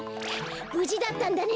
ぶじだったんだね！